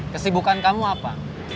kesibukan kamu apa